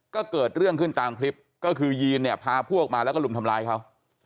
ก็เกิดเรื่องขึ้นตามคลิปก็คือยีนเนี่ยพาพวกมาแล้วก็ลุมทำร้ายเขา